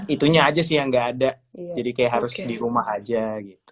itunya aja sih yang gak ada jadi kayak harus di rumah aja gitu